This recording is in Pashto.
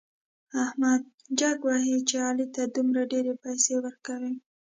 احمد جک وهي چې علي ته دومره ډېرې پيسې ورکوي.